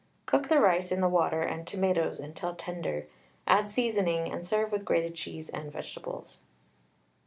Cook the rice in the water and tomatoes until tender, add seasoning, and serve with grated cheese and vegetables.